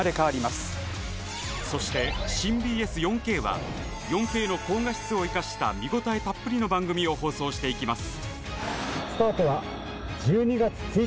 そして新ＢＳ４Ｋは４Ｋの高画質を生かした見応えたっぷりの番組を放送していきます